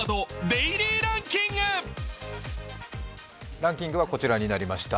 ランキングはこちらになりました。